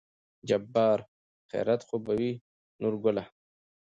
جبار : خېرت خو به وي نورګله